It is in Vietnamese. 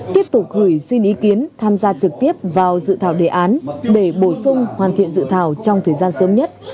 tiếp tục gửi xin ý kiến tham gia trực tiếp vào dự thảo đề án để bổ sung hoàn thiện dự thảo trong thời gian sớm nhất